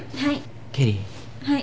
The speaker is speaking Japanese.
はい。